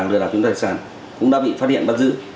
để đào chứng tài sản cũng đã bị phát hiện bắt giữ